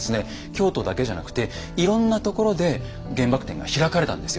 京都だけじゃなくていろんなところで原爆展が開かれたんですよ。